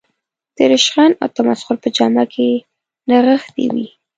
د رشخند او تمسخر په جامه کې نغښتې وي.